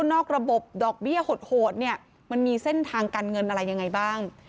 นอกระบบดอกเบี้ยโหดเนี่ยมันมีเส้นทางการเงินอะไรยังไงบ้าง